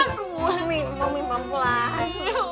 mami mampu lagi